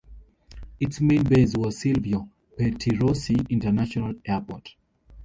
Its main base was Silvio Pettirossi International Airport.